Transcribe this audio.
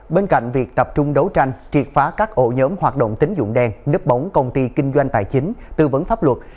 bên cạnh việc tập trung đấu tranh triệt phá các ổ nhóm hoạt động tính dụng đen nếp bóng công ty kinh doanh tài chính tư vấn pháp luật